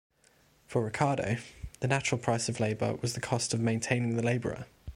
For Ricardo, the natural price of labor was the cost of maintaining the laborer.